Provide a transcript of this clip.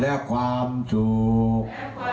และความสุข